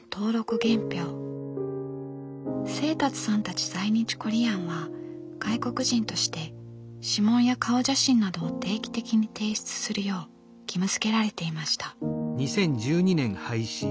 清達さんたち在日コリアンは外国人として指紋や顔写真などを定期的に提出するよう義務づけられていました。